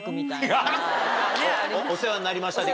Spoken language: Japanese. お世話になりました的な？